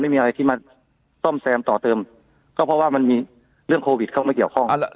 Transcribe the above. ไม่มีอะไรที่มาซ่อมแซมต่อเติมก็เพราะว่ามันมีเรื่องโควิดเข้ามาเกี่ยวข้อง